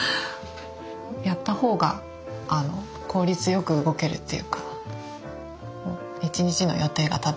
やった方が効率よく動けるっていうか一日の予定が立てやすい。